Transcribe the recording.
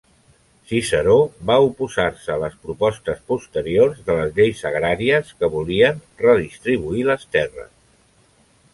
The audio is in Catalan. Ciceró va oposar-se a les propostes posteriors de les lleis agràries que volien redistribuir les terres.